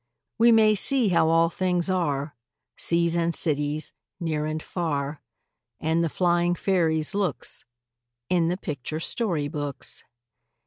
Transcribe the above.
We may see how all things are, Seas and cities, near and far, And the flying fairies' looks, In the picture story books.